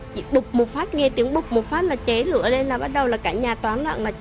chị bục một phát nghe tiếng bục một phát là cháy lửa lên là bắt đầu là cả nhà toán lặng